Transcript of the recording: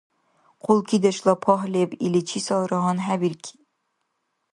Хъулкидешла пагь леб или чисалра гьанхӀебирки.